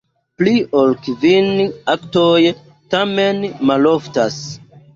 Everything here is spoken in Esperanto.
Pli ol kvin aktoj tamen maloftas.